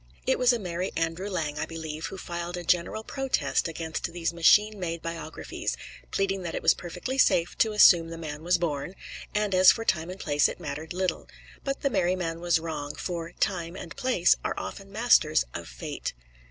It was the merry Andrew Lang, I believe, who filed a general protest against these machine made biographies, pleading that it was perfectly safe to assume the man was born; and as for the time and place it mattered little. But the merry man was wrong, for Time and Place are often masters of Fate.